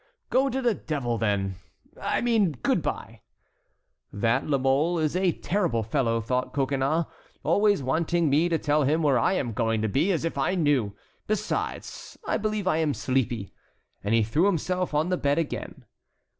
"Go to the devil, then,—I mean good by!" "That La Mole is a terrible fellow," thought Coconnas, "always wanting me to tell him where I am going to be! as if I knew. Besides, I believe I am sleepy." And he threw himself on the bed again.